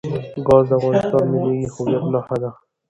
ګاز د افغانستان د ملي هویت نښه ده.